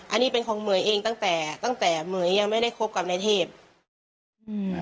อันนี้เป็นของเหม๋ยเองตั้งแต่ตั้งแต่เหม๋ยยังไม่ได้คบกับนายเทพอืม